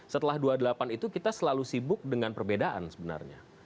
setelah dua puluh delapan itu kita selalu sibuk dengan perbedaan sebenarnya